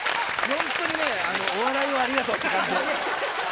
本当にね、お笑いをありがとうっていう感じで。